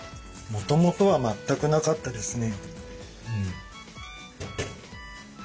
もともとは全くなかったですね。